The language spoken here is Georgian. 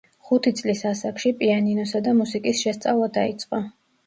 ხუთი წლის ასაკში პიანინოსა და მუსიკის შესწავლა დაიწყო.